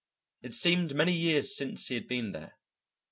It seemed many years since he had been there.